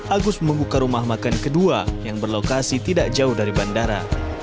agus membuka rumah makan kedua yang berlokasi tidak jauh dari bandara